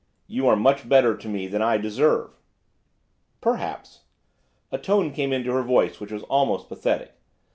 'You are much better to me than I deserve.' 'Perhaps.' A tone came into her voice which was almost pathetic.